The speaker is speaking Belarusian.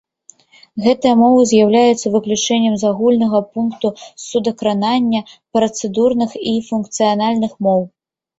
Гэтыя мовы з'яўляюцца выключэннем з агульнага пункту судакранання працэдурных і функцыянальных моў.